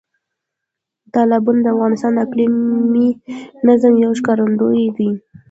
تالابونه د افغانستان د اقلیمي نظام یو ښکارندوی دی.